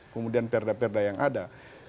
kemudian perda perda yang ada